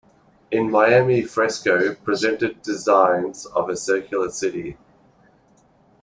In Miami Fresco presented designs of a circular city.